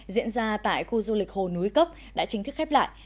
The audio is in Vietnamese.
diễn ra tại khu du lịch hồ núi cấp đã chính thức khép lại